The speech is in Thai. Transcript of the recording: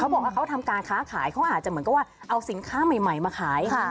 บอกว่าเขาทำการค้าขายเขาอาจจะเหมือนกับว่าเอาสินค้าใหม่มาขาย